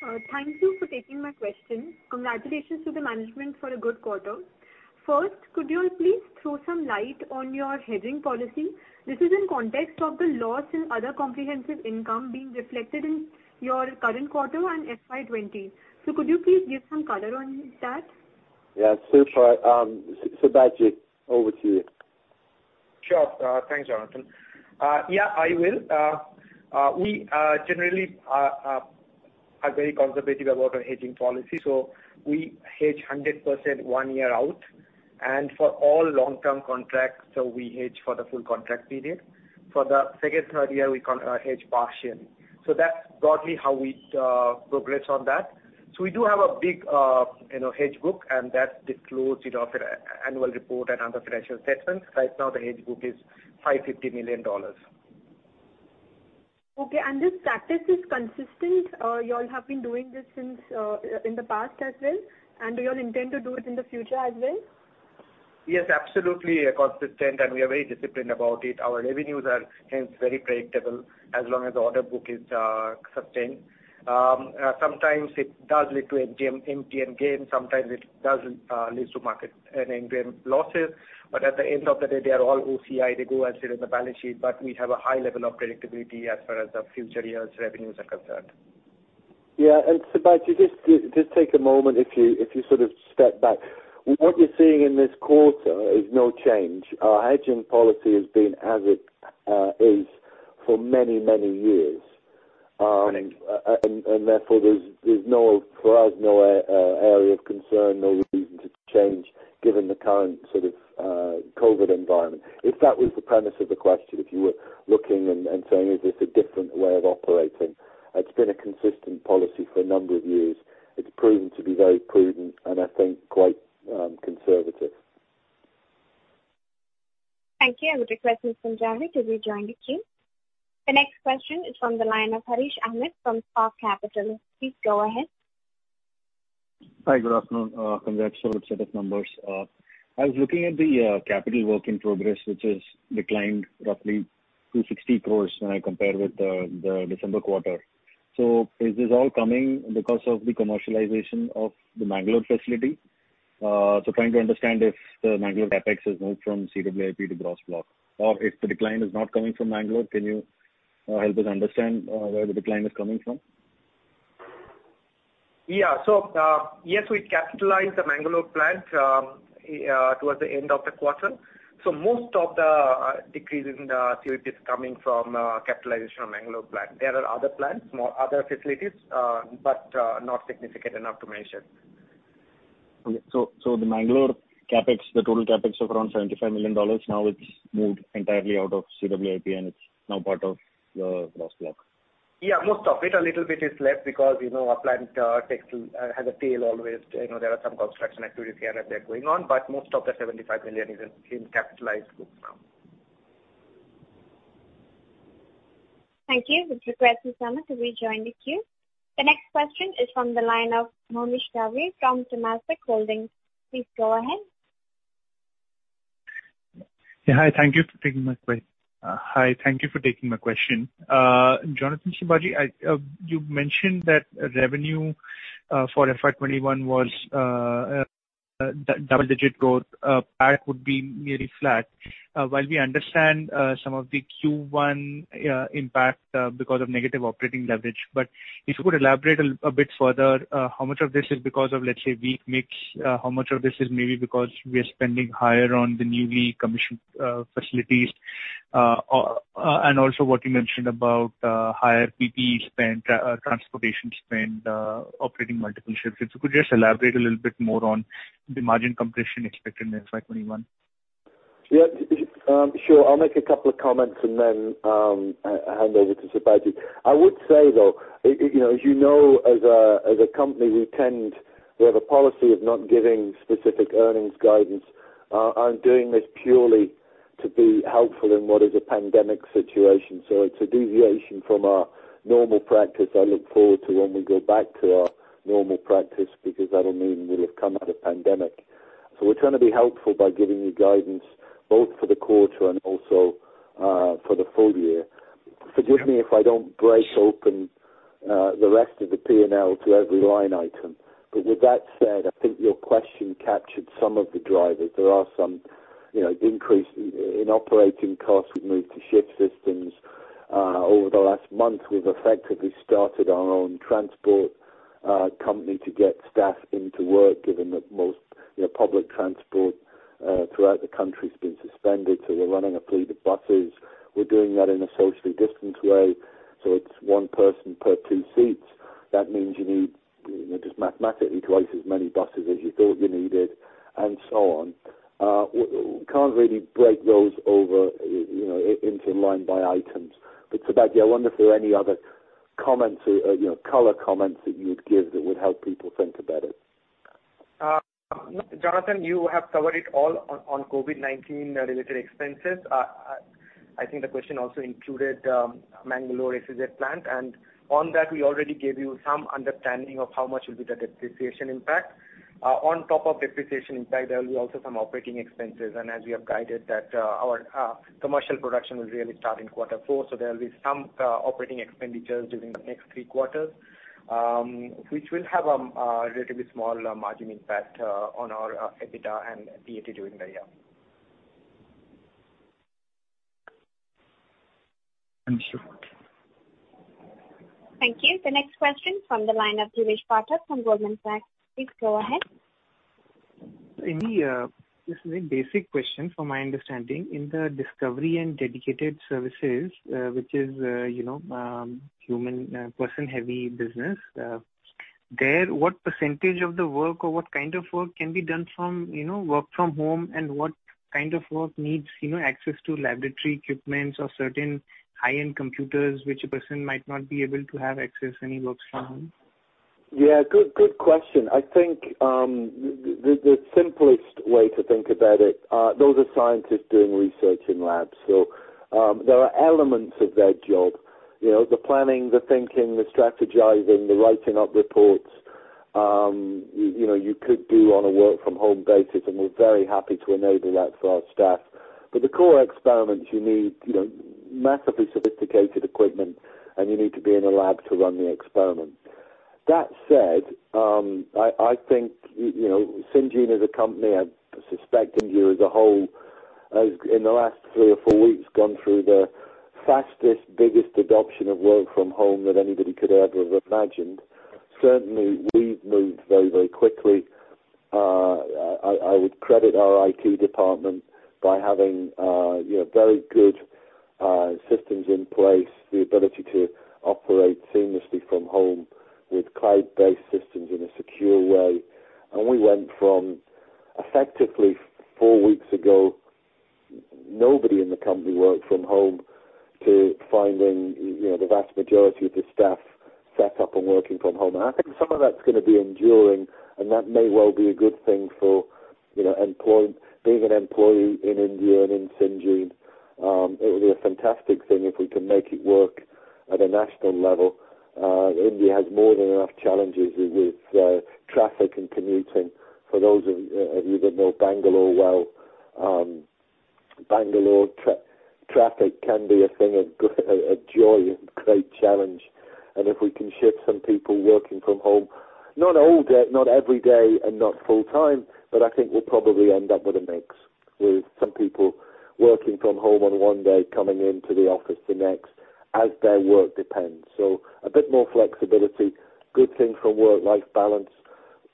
Thank you for taking my question. Congratulations to the management for a good quarter. First, could you please throw some light on your hedging policy? This is in context of the loss in other comprehensive income being reflected in your current quarter and FY 2020. Could you please give some color on that? Yeah. Sure. Sibaji, over to you. Sure. Thanks, Jonathan. Yeah, I will. We generally are very conservative about our hedging policy. We hedge 100% one year out. For all long-term contracts, we hedge for the full contract period. For the second, third year, we hedge partially. That's broadly how we progress on that. We do have a big hedge book and that's disclosed in our annual report and under financial statements. Right now the hedge book is $550 million. Okay. This practice is consistent? You all have been doing this since in the past as well, and do you all intend to do it in the future as well? Yes, absolutely consistent. We are very disciplined about it. Our revenues are hence very predictable as long as the order book is sustained. Sometimes it does lead to MTM gain. Sometimes it does lead to MTM losses. At the end of the day, they are all OCI, they go as it is in the balance sheet. We have a high level of predictability as far as the future year's revenues are concerned. Yeah. Sibaji, just take a moment if you sort of step back. What you're seeing in this quarter is no change. Our hedging policy has been as it is for many, many years. Correct. Therefore there's, for us, no area of concern, no reason to change given the current sort of COVID environment. If that was the premise of the question, if you were looking and saying, is this a different way of operating? It's been a consistent policy for a number of years. It's proven to be very prudent and I think quite conservative. Thank you. I would request Mr. Punjabi to rejoin the queue. The next question is from the line of Harith Ahamed from Spark Capital. Please go ahead. Hi, good afternoon. Congrats for the set of numbers. I was looking at the capital work in progress, which has declined roughly 260 crore when I compare with the December quarter. Is this all coming because of the commercialization of the Mangalore facility? Trying to understand if the Mangalore CapEx has moved from CWIP to gross block, or if the decline is not coming from Mangalore, can you help us understand where the decline is coming from? Yeah. Yes, we capitalized the Mangalore plant towards the end of the quarter. Most of the decrease in the CWIP is coming from capitalization of Mangalore plant. There are other plants, other facilities, but not significant enough to mention. Okay. The Mangalore CapEx, the total CapEx of around $75 million, now it's moved entirely out of CWIP, and it's now part of your gross block. Yeah, most of it. A little bit is left because our plant has a tail always. There are some construction activities here and there going on, but most of the $75 million is in capitalized books now. Thank you. Would request Mr. Ahamed to rejoin the queue. The next question is from the line of Mohnish Dave from Temasek Holdings. Please go ahead. Hi. Thank you for taking my question. Jonathan, Sibaji, you mentioned that revenue for FY 2021 was double-digit growth. PAT would be nearly flat. While we understand some of the Q1 impact because of negative operating leverage, if you could elaborate a bit further, how much of this is because of, let's say, weak mix? How much of this is maybe because we are spending higher on the newly commissioned facilities? Also what you mentioned about higher PPE spend, transportation spend, operating multiple shifts. If you could just elaborate a little bit more on the margin compression expected in FY 2021. Yeah. Sure. I'll make a couple of comments and then hand over to Sibaji. I would say, though, as you know, as a company, we have a policy of not giving specific earnings guidance. It's a deviation from our normal practice. I look forward to when we go back to our normal practice, that'll mean we'll have come out of pandemic. We're trying to be helpful by giving you guidance both for the quarter and also for the full year. Forgive me if I don't break open the rest of the P&L to every line item. With that said, I think your question captured some of the drivers. There are some increase in operating costs. We've moved to shift systems. Over the last month, we've effectively started our own transport company to get staff into work, given that most public transport throughout the country has been suspended. We're running a fleet of buses. We're doing that in a socially distanced way. It's one person per two seats. That means you need just mathematically twice as many buses as you thought you needed, and so on. We can't really break those over into line items. Sibaji, I wonder if there are any other color comments that you would give that would help people think about it. Jonathan, you have covered it all on COVID-19 related expenses. I think the question also included Mangalore SEZ plant, and on that, we already gave you some understanding of how much will be the depreciation impact. On top of depreciation impact, there will be also some operating expenses. As we have guided that our commercial production will really start in quarter four, so there will be some operating expenditures during the next three quarters, which will have a relatively small margin impact on our EBITDA and PAT during the year. Thank you. Thank you. The next question from the line of Dheeresh Pathak from Goldman Sachs. Please go ahead. This is a basic question from my understanding. In the discovery and dedicated services, which is person-heavy business, there what percentage of the work or what kind of work can be done from work from home, and what kind of work needs access to laboratory equipment or certain high-end computers which a person might not be able to have access when he works from home? Good question. I think the simplest way to think about it, those are scientists doing research in labs. There are elements of their job, the planning, the thinking, the strategizing, the writing up reports. You could do on a work-from-home basis, we're very happy to enable that for our staff. The core experiments you need massively sophisticated equipment, and you need to be in a lab to run the experiment. That said, I think Syngene as a company, I suspect Syngene as a whole, in the last three or four weeks gone through the fastest, biggest adoption of work from home that anybody could ever have imagined. Certainly, we've moved very quickly. I would credit our IT department by having very good systems in place, the ability to operate seamlessly from home with cloud-based systems in a secure way. We went from effectively four weeks ago, nobody in the company worked from home to finding the vast majority of the staff set up and working from home. I think some of that's going to be enduring, and that may well be a good thing for being an employee in India and in Syngene. It will be a fantastic thing if we can make it work at a national level. India has more than enough challenges with traffic and commuting. For those of you that know Bangalore well, Bangalore traffic can be a thing of joy and great challenge. If we can shift some people working from home, not all day, not every day, and not full-time. I think we'll probably end up with a mix, with some people working from home on one day, coming into the office the next, as their work depends. A bit more flexibility. Good thing for work-life balance.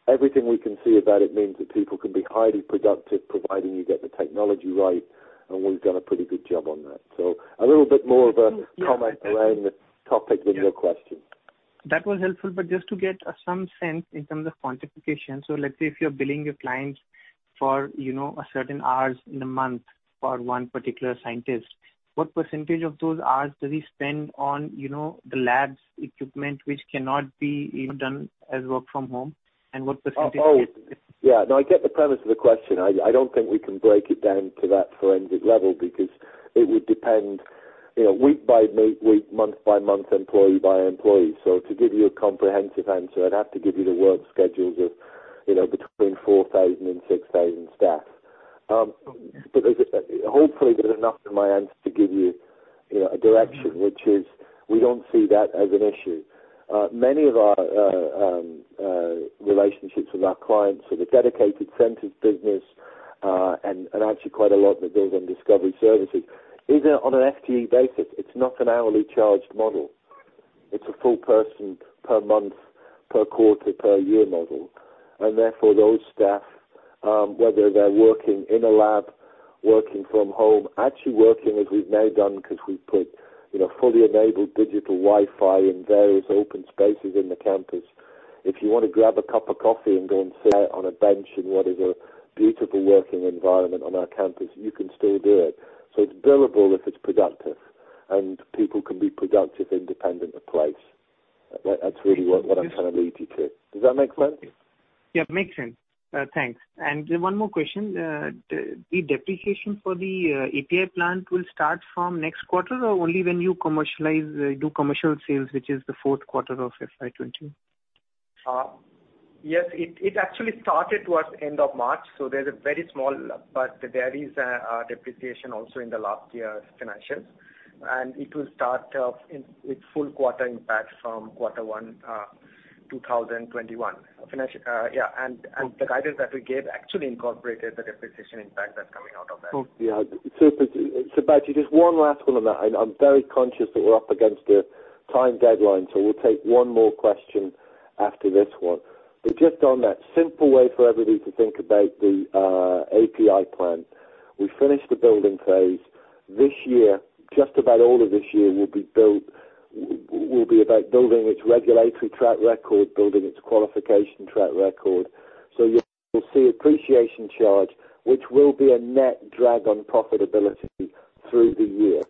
Everything we can see about it means that people can be highly productive, providing you get the technology right. We've done a pretty good job on that. A little bit more of a comment around the topic than your question. That was helpful. Just to get some sense in terms of quantification. Let's say if you're billing your clients for certain hours in a month for one particular scientist, what percentage of those hours do they spend on the labs equipment which cannot be even done as work from home, and what percentage get- Yeah, no, I get the premise of the question. I don't think we can break it down to that forensic level because it would depend week by week, month by month, employee by employee. To give you a comprehensive answer, I'd have to give you the work schedules of between 4,000 and 6,000 staff. Hopefully there's enough in my answer to give you a direction. Which is we don't see that as an issue. Many of our relationships with our clients are the dedicated centers business, and actually quite a lot that builds on discovery services is on an FTE basis. It's not an hourly charged model. It's a full person per month, per quarter, per year model. Therefore those staff, whether they're working in a lab, working from home, actually working as we've now done because we put fully enabled digital Wi-Fi in various open spaces in the campus. If you want to grab a cup of coffee and go and sit on a bench in what is a beautiful working environment on our campus, you can still do it. It's billable if it's productive, and people can be productive independent of place. That's really what I'm trying to lead you to. Does that make sense? Yeah, makes sense. Thanks. One more question. The depreciation for the API plant will start from next quarter or only when you do commercial sales, which is the fourth quarter of FY 2020? Yes. It actually started towards end of March. There's a very small, but there is a depreciation also in the last year's financials. It will start with full quarter impact from quarter one 2021. Yeah. The guidance that we gave actually incorporated the depreciation impact that's coming out of that. Sibaji, just one last one on that. I'm very conscious that we're up against a time deadline. We'll take one more question after this one. Just on that simple way for everybody to think about the API plant. We finished the building phase this year. Just about all of this year will be about building its regulatory track record, building its qualification track record. You will see depreciation charge, which will be a net drag on profitability through the year.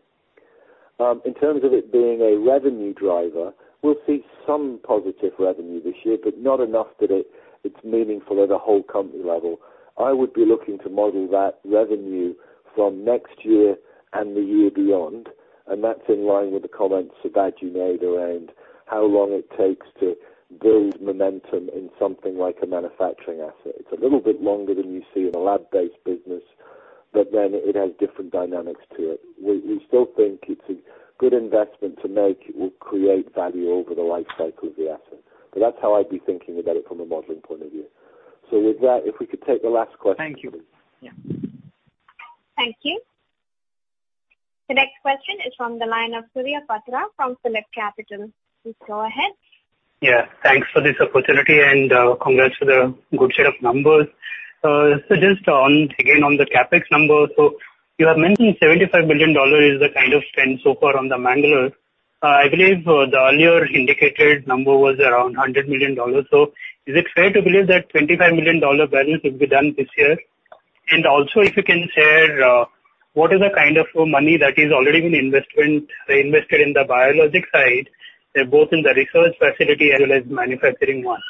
In terms of it being a revenue driver, we'll see some positive revenue this year, but not enough that it's meaningful at a whole company level. I would be looking to model that revenue from next year and the year beyond, and that's in line with the comments Sibaji made around how long it takes to build momentum in something like a manufacturing asset. It's a little bit longer than you see in a lab-based business. It has different dynamics to it. We still think it's a good investment to make. It will create value over the life cycle of the asset. That's how I'd be thinking about it from a modeling point of view. With that, if we could take the last question. Thank you. Yeah. Thank you. The next question is from the line of Surya Patra from PhillipCapital. Please go ahead. Yeah, thanks for this opportunity and congrats for the good set of numbers. Just again on the CapEx number. You have mentioned $75 million is the kind of spend so far on the Mangalore. I believe the earlier indicated number was around $100 million. Is it fair to believe that $25 million balance will be done this year? Also if you can share, what is the kind of money that has already been invested in the biologic side, both in the research facility as well as manufacturing one?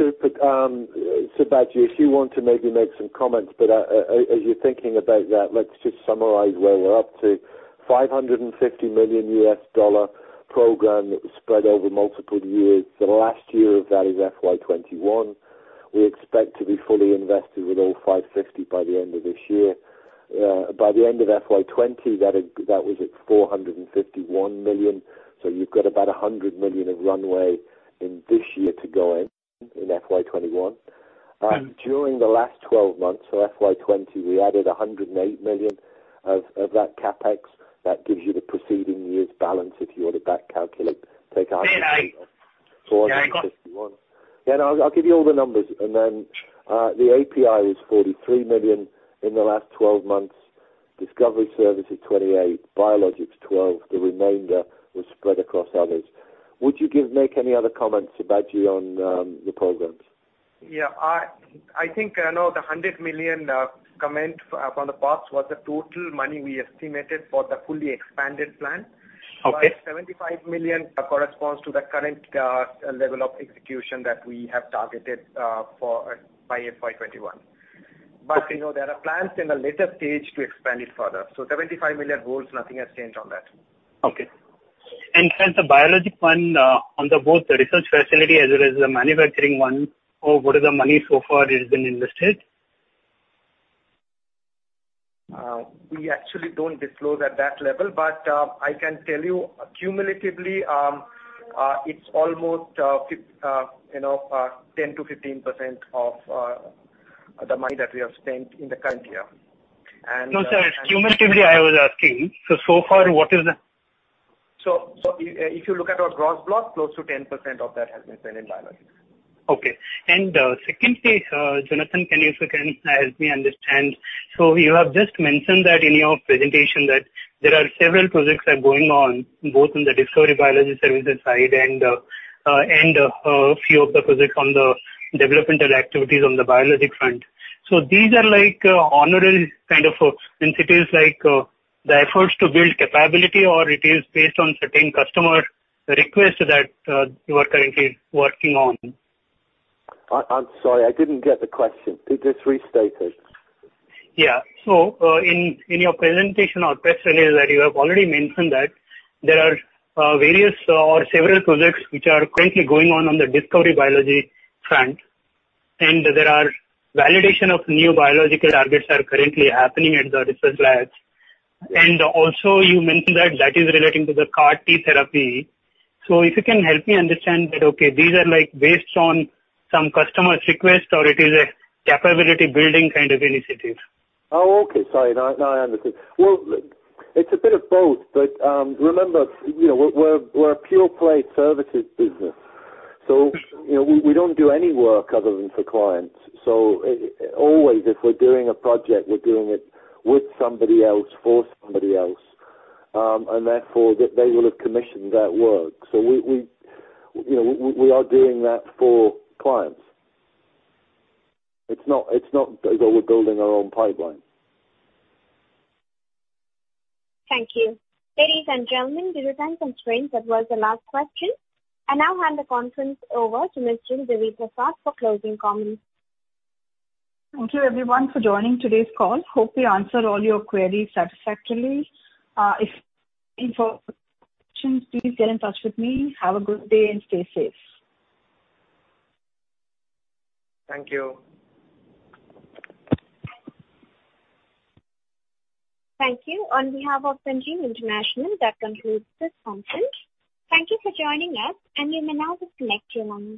Sibaji, if you want to maybe make some comments, as you're thinking about that, let's just summarize where we're up to. $550 million program spread over multiple years. The last year of that is FY 2021. We expect to be fully invested with all $550 million by the end of this year. By the end of FY 2020, that was at $451 million. You've got about $100 million of runway in this year to go in FY 2021. During the last 12 months, so FY 2020, we added $108 million of that CapEx. That gives you the preceding year's balance if you were to back calculate. Take INR 100 million. Say again. $451. Yeah, no, I'll give you all the numbers. The API was $43 million in the last 12 months. Discovery service is $28. Biologics, 12. The remainder was spread across others. Would you make any other comments, Sibaji, on the programs? Yeah. I think I know the $100 million comment from the past was the total money we estimated for the fully expanded plan. Okay. $75 million corresponds to the current level of execution that we have targeted by FY 2021. There are plans in the later stage to expand it further. $75 million holds. Nothing has changed on that. Okay. The biologic one, on both the research facility as well as the manufacturing one, what is the money so far that has been invested? We actually don't disclose at that level. I can tell you, cumulatively, it's almost 10%-15% of the money that we have spent in the current year. No, sir. Cumulatively, I was asking, so far, what is the If you look at our gross profit, close to 10% of that has been spent in biologics. Okay. Secondly, Jonathan, if you can help me understand. You have just mentioned that in your presentation that there are several projects that are going on, both in the Discovery Biology services side and a few of the projects on the developmental activities on the biologic front. These are kind of initiatives, like the efforts to build capability or it is based on certain customer requests that you are currently working on? I'm sorry. I didn't get the question. Please restate it. Yeah. In your presentation or press release that you have already mentioned that there are various or several projects which are currently going on the discovery biology front. There are validation of new biological targets are currently happening at the research labs. Also you mentioned that that is relating to the CAR T therapy. If you can help me understand that, okay, these are based on some customer's request or it is a capability-building kind of initiative? Oh, okay. Sorry. Now I understand. Well, it's a bit of both. Remember, we're a pure-play services business. We don't do any work other than for clients. Always, if we're doing a project, we're doing it with somebody else for somebody else. Therefore, they will have commissioned that work. We are doing that for clients. It's not that we're building our own pipeline. Thank you. Ladies and gentlemen, due to time constraints, that was the last question. I now hand the conference over to Ms. Jill Deviprasad for closing comments. Thank you, everyone, for joining today's call. Hope we answered all your queries satisfactorily. If any further questions, please get in touch with me. Have a good day and stay safe. Thank you. Thank you. On behalf of Syngene International, that concludes this conference. Thank you for joining us. You may now disconnect your lines.